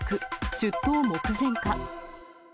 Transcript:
出頭目前か。